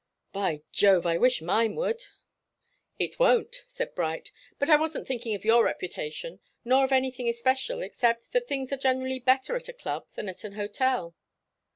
"By Jove! I wish mine would!" "It won't," said Bright. "But I wasn't thinking of your reputation, nor of anything especial except that things are generally better at a club than at a hotel."